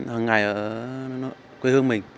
hằng ngày ở quê hương mình